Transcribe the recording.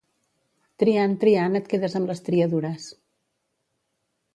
Triant, triant, et quedes amb les triadures.